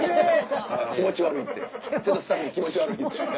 「気持ち悪い」ってちゃんとスタッフに「気持ち悪い」って。